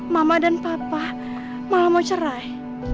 mama dan papa malah mau cerai